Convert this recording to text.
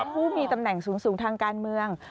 ผู้มีตำแหน่งสูงทางการเมือง